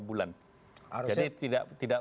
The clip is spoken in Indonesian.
bulan jadi tidak